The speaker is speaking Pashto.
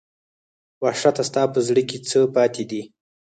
وحشته ستا په زړه کې څـه پاتې دي